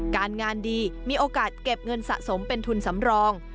การงานดีมีโอกาสเก็บเงินสะสมเป็นทุนสำรอง